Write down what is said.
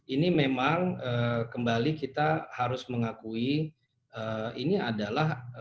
ini memang kembali kita harus mengakui ini adalah